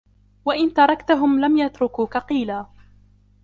وَإِنْ تَرَكْتَهُمْ لَمْ يَتْرُكُوكَ قِيلَ